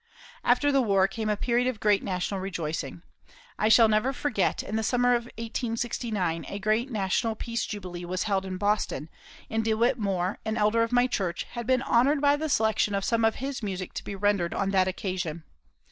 After the War came a period of great national rejoicing. I shall never forget, in the summer of 1869, a great national peace jubilee was held in Boston, and DeWitt Moore, an elder of my church, had been honoured by the selection of some of his music to be rendered on that occasion.